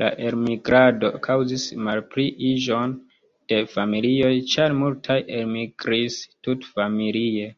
La elmigrado kaŭzis malpliiĝon de familioj, ĉar multaj elmigris tutfamilie.